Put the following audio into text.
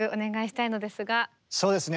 そうですね